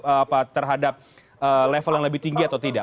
yang baru yang terhadap level yang lebih tinggi atau tidak